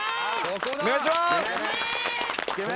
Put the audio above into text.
お願いします